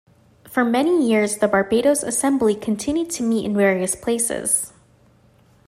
For many years the Barbados Assembly continued to meet in various places.